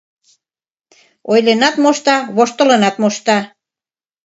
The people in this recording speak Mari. Ойленат мошта, воштылынат мошта.